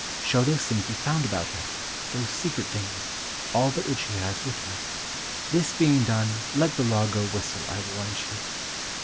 Show those things you found about her, those secret things, all but what she has with her. This being done, let the law go whistle, I warrant you."